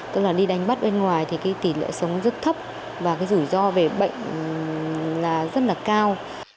tức là đi đánh bắt bên ngoài thì tỷ lợi sống rất thấp và rủi ro về bệnh rất là cao